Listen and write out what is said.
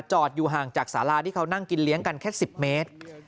อยู่ห่างจากสาราที่เขานั่งกินเลี้ยงกันแค่๑๐เมตร